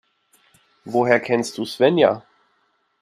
Woher kennst du Svenja?